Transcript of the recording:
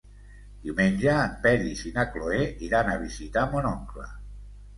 Diumenge en Peris i na Cloè iran a visitar mon oncle.